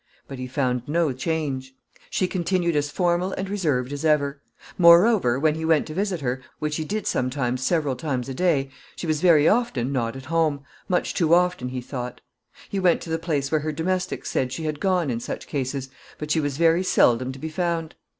But he found no change. She continued as formal and reserved as ever. Moreover, when he went to visit her, which he did sometimes several times a day, she was very often not at home much too often, he thought. He went to the place where her domestics said she had gone in such cases, but she was very seldom to be found.